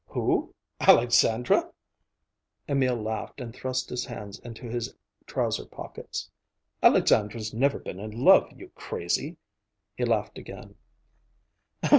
"Who, Alexandra?" Emil laughed and thrust his hands into his trousers pockets. "Alexandra's never been in love, you crazy!" He laughed again.